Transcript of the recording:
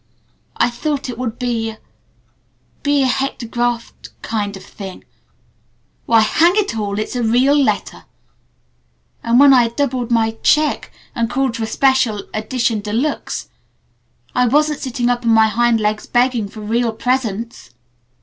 "I thought it would be a be a hectographed kind of a thing. Why, hang it all, it's a real letter! And when I doubled my check and called for a special edition de luxe I wasn't sitting up on my hind legs begging for real presents!"